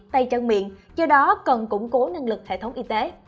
tay chân miệng do đó cần củng cố năng lực hệ thống y tế